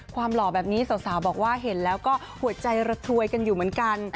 หล่อแบบนี้สาวบอกว่าเห็นแล้วก็หัวใจระถวยกันอยู่เหมือนกัน